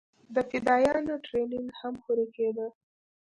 د فدايانو ټرېننگ هم هورې کېده.